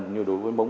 như đối với mông